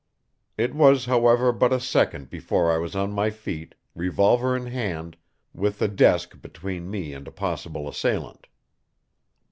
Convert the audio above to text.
It was, however, but a second before I was on my feet, revolver in hand, with the desk between me and a possible assailant.